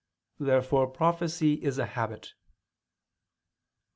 Therefore prophecy is a habit.